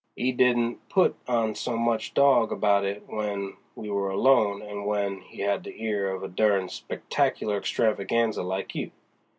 He didn't put on so much dog about it w'en we were alone as w'en he had the ear of a denied Spectacular Extravaganza like you.